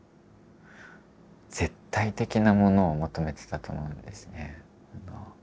絶対的なものを求めてたと思うんですね。